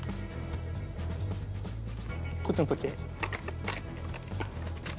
こっちの時計。